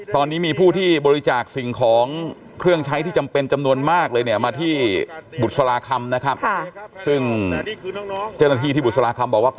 ตอนนี้มีผู้ที่บริจาคสิ่งของเครื่องใช้ที่จำเป็นจำนวนมากเลยเนี่ย